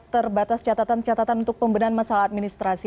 terbatas catatan catatan untuk pembenahan masalah administrasi